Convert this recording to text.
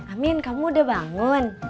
amin kamu udah bangun